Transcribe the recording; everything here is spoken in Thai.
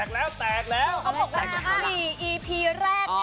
โอ้โหยอดเป๊ะปังอลังการมากเลยนะคะ